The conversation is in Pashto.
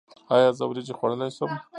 ایا زه وریجې خوړلی شم؟